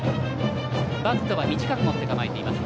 バットは短く持って構えます。